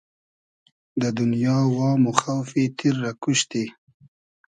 دۂ دونیا وام و خۆفی تیر رۂ کوشتی